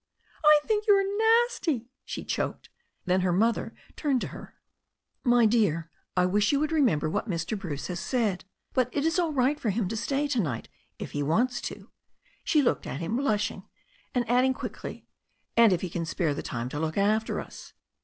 "I think you are nasty," she choked. Then her mother turned to her. "My dear, I wish you would remember what Mr. Bruce 146 THE STORY OF A NEW ZEALAND RIVER has said. But it is all right for him to stay to night if he wants to—" she looked at him, blushing, and adding quickly — "and if he can spare the time to look after us."